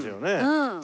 うん。